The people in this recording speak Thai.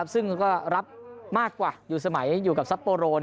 ซึ่งก็รับมากกว่าอยู่สมัยอยู่กับซัปโปโร